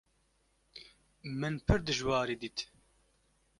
Min pir dijwarî dît.